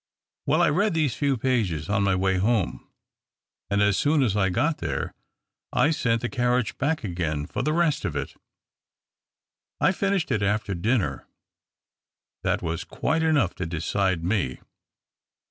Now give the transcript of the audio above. Well, I read these few pages on my way home ; and, as soon as I got there, I sent the carriage back again for the rest of it. I finished it after dinner. That was c[uite enough to decide me.